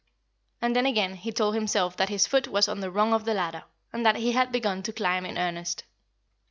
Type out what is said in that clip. And then again he told himself that his foot was on the rung of the ladder, and that he had begun to climb in earnest.